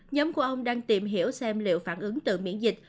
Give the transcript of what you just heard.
nhóm của ông đang tìm hiểu xem liệu phản ứng từ miễn dịch